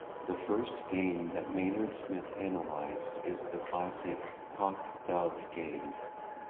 The first game that Maynard Smith analysed is the classic Hawk Dove game.